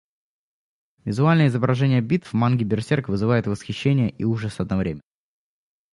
Визуальное изображение битв в манге Берсерк вызывает восхищение и ужас одновременно.